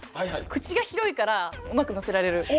口が広いからうまくのせられる。